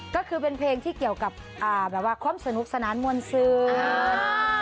ก็คือเป็นเพลงที่เกี่ยวกับความสนุกสนานมทุกข์